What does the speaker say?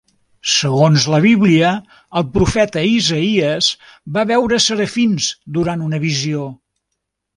Segons la bíblia, el profeta Isaïes va veure serafins durant una visió.